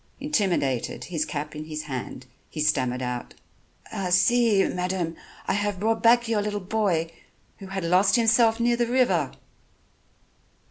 Intimidated, his cap in his hand, he stammered out: "See, madam, I have brought back your little boy who had lost himself near the river."